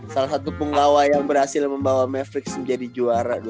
salah satu penggawa yang berhasil membawa mavericks menjadi juara dua ribu dua puluh ya